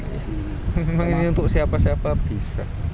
memang ini untuk siapa siapa bisa